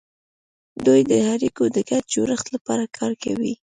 دوی د اړیکو د ګډ جوړښت لپاره کار کوي